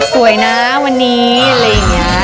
สวยนะวันนี้อะไรอย่างนี้